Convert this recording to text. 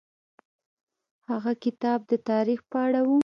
هغه کتاب د تاریخ په اړه و.